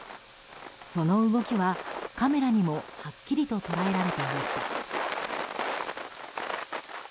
その動きはカメラにもはっきりと捉えられていました。